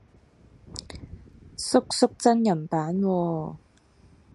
叔叔真人版喎